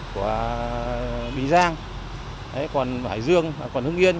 của bình giang còn hải dương còn hưng yên